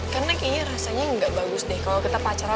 karena kayaknya rasanya gak bagus deh kalo kita pacaran